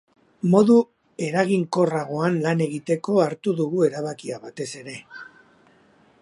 Modu eraginkorragoan lan egiteko hartu dugu erabakia batez ere.